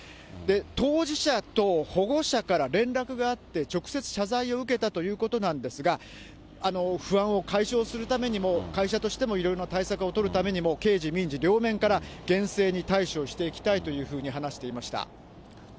当事者と保護者から連絡があって、直接謝罪を受けたということなんですが、不安を解消するためにも、会社としてもいろいろな対策を取るためにも、刑事、民事両面から厳正に対処していきたいというふうに話していました。